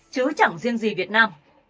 chứ chẳng riêng gì việt nam